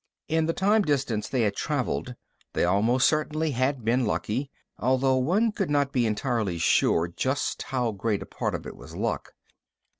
In the time distance they had traveled, they almost certainly had been lucky, although one could not be entirely sure just how great a part of it was luck.